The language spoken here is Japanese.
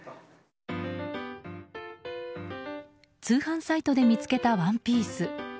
通販サイトで見つけたワンピース。